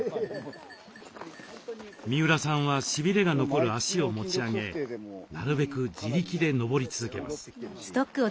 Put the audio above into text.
三浦さんはしびれが残る足を持ち上げなるべく自力で登り続けます。